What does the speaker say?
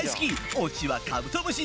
推しはカブトムシ！